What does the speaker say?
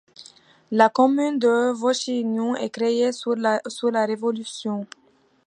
La commune de Vauchignon est créée sous la Révolution.